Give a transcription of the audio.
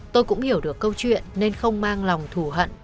tôi cũng hiểu được câu chuyện nên không mang lòng thù hận